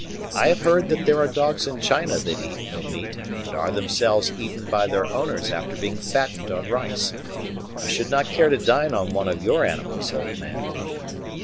"I have heard that there are dogs in China that eat no meat, but are themselves eaten by their owners after being fattened on rice. I should not care to dine on one of your animals, old man."